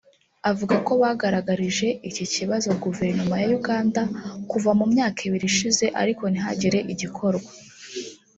Avuga ko bagaragarije iki kibazo Guverinoma ya Uganda kuva mu myaka ibiri ishize ariko ntihagire igikorwa